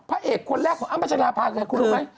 พระเอกคนแรกของอ้ำพัชราภาคือคุณรู้ไหม